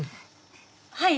はい。